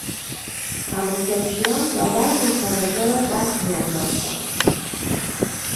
تماشاچیان داور مسابقه را دست میانداختند.